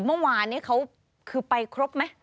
เมื่อวานนี้เขาคือไปครบไหม